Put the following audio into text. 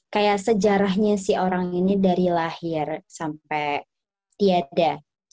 kayak sejarahnya si orang ini dari lahir sampai tiada